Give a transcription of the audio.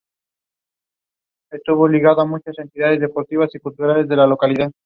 Por debajo de su armadura, el legionario romano usó una túnica generalmente de lana.